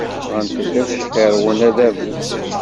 Ffɣen-d ad cqirrwen Adabu.